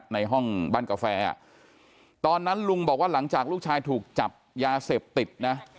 ในห้องบ้านกาแฟตอนนั้นลุงบอกว่าหลังจากลูกชายถูกจับยาเสพติดนะ